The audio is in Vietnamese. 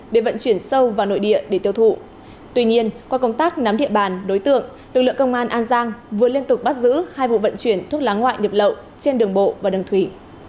để vận chuyển sâu vào nội địa để tiêu thụ tuy nhiên qua công tác nắm địa bàn đối tượng lực lượng công an an giang vừa liên tục bắt giữ hai vụ vận chuyển thuốc lá ngoại nhập lậu trên đường bộ và đường thủy